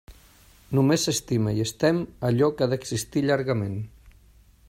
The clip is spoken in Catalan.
Només s'estima i es tem allò que ha d'existir llargament.